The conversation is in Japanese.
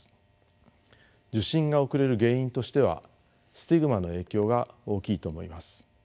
受診が遅れる原因としてはスティグマの影響が大きいと思います。